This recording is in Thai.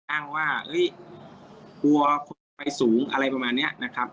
อ้างว่าเฮ้ยกลัวคนจะไปสูงอะไรประมาณนี้นะครับ